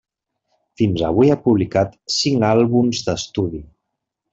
Fins avui ha publicat cinc àlbums d'estudi.